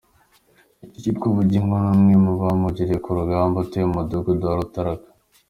Uyu yitwa Bugingo, ni umwe mu bamugariye ku rugamba utuye mu mudugudu wa Rutaraka.